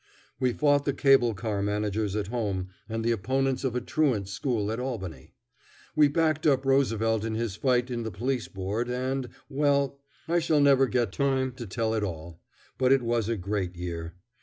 We fought the cable car managers at home and the opponents of a truant school at Albany. We backed up Roosevelt in his fight in the Police Board, and well, I shall never get time to tell it all. But it was a great year.